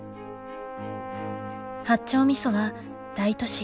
八丁味噌は大都市